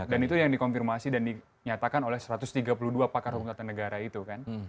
dan itu yang dikonfirmasi dan dinyatakan oleh satu ratus tiga puluh dua pakar hukum talan negara itu kan